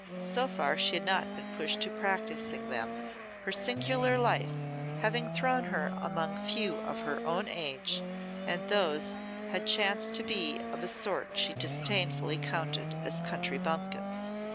So far she had not been pushed to practising them, her singular life having thrown her among few of her own age, and those had chanced to be of a sort she disdainfully counted as country bumpkins.